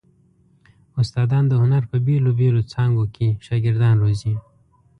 استادان د هنر په بېلو څانګو کې شاګردان روزي.